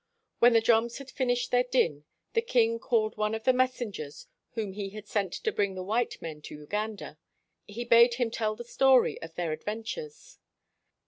When the drums had finished their din, the king, called one of the messengers whom he had sent to bring the white men to Uganda. He bade him tell the story of their adven tures.